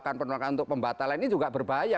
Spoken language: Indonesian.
bahkan penolakan untuk pembatalan ini juga berbahaya